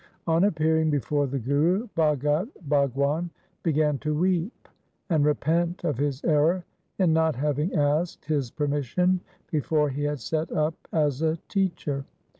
On appearing before the Guru, Bhagat Bhagwan began to weep and repent of his error in not having asked his permission before he had set up as a teacher.